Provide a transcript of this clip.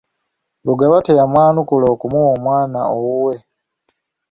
Lugaba teyamwanukula okumuwa omwana owuwe.